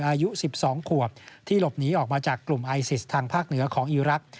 อายุ๑๒ขวบที่หลบหนีออกมาจากกลุ่มไอซิสทางภาคเหนือของอีรักษ